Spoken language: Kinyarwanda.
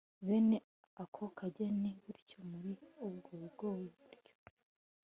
bene ako kageni gutyo, muri ubwo bwuryo